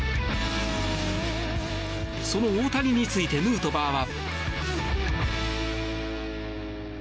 その大谷についてヌートバーは。